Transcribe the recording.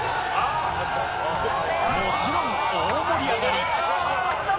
もちろん大盛り上がり。